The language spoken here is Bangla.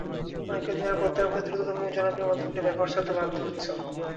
অনেকেই নিরাপত্তার ভয়ে দ্রুততম ও জনপ্রিয় মাধ্যমটির ব্যবহার ছাড়তে বাধ্য হচ্ছেন।